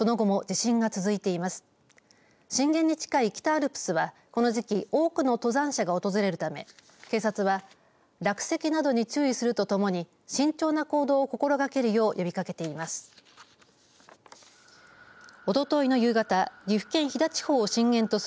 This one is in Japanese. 震源に近い北アルプスはこの時期多くの登山者が訪れるため警察は落石などに注意するとともに慎重な行動を心がけるよう呼びかけています。